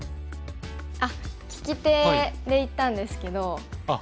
あっ聞き手で行ったんですけど。